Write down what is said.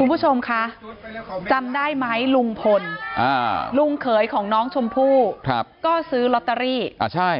คุณผู้ชมคะจำได้ไหมลุงพลลุงเขยของน้องชมพู่ก็ซื้อลอตเตอรี่อ่าใช่